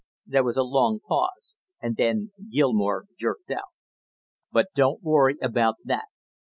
There was a long pause, and then Gilmore jerked out: "But don't you worry about that.